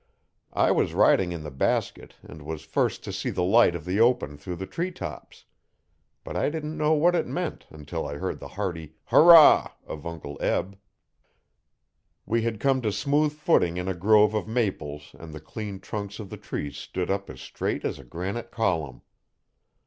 I was riding in the basket and was first to see the light of the open through the tree tops. But I didn't know what it meant until I heard the hearty 'hurrah' of Uncle Eb. We had come to smooth footing in a grove of maples and the clean trunks of the trees stood up as straight as a granite column.